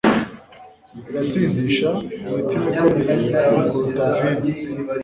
Irasindisha imitima ikomeye kuruta vino